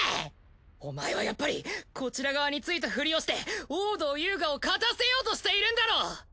お前はやっぱりこちら側についたフリをして王道遊我を勝たせようとしているんだろう！